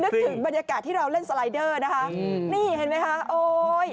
ถึงบรรยากาศที่เราเล่นสไลเดอร์นะคะนี่เห็นไหมคะโอ๊ย